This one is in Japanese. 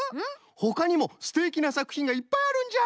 ほかにもすてきなさくひんがいっぱいあるんじゃ。